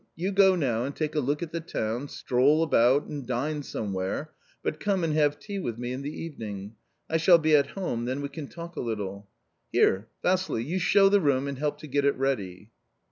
You go now and take a look at the town, stroll about, and dine somewhere, but come and have tea with me in the evening. I shall be at home, then we can talk a little. Here! Vassili, you show the room and help to get it ready."